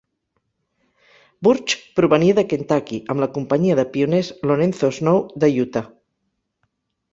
Burch provenia de Kentucky amb la companyia de pioners Lorenzo Snow de Utah.